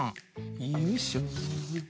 よいしょ。